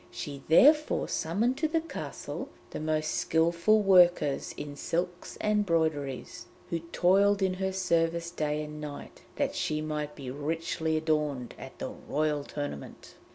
She therefore summoned to the castle the most skilful workers in silks and broideries, who toiled in her service day and night, that she might be richly adorned at the Royal Tournament.